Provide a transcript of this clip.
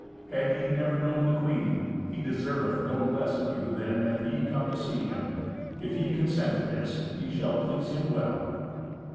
Had ye never known the queen, he deserveth no less of you than that ye come to see him. If ye consent to this, ye shall please him well."